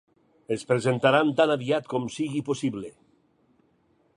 Es presentaran tan aviat com sigui possible.